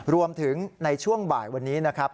รวมถึงในช่วงบ่ายวันนี้นะครับ